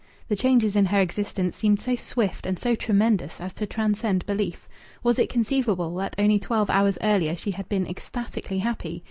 The changes in her existence seemed so swift and so tremendous as to transcend belief. Was it conceivable that only twelve hours earlier she had been ecstatically happy?